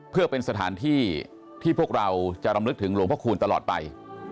เพื่อเป็นสถานที่ที่พวกเราจะรำลึกถึงหลวงพระคูณตลอดไป